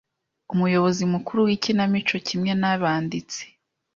umuyobozi mukuru w'ikinamico Kimwe n'abanditsi